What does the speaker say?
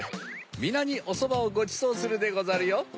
みなにおそばをごちそうするでござるよ。